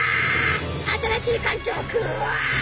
新しい環境クワ！